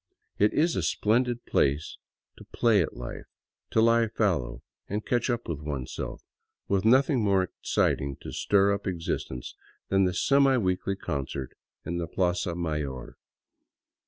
It is a splendid place :o play at life, to lie fallow and catch up with oneself, with nothing more exciting to stir up existence than the semi weekly concert in the plaza mayor.